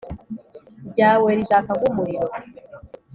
ryawe rizaka nk umuriro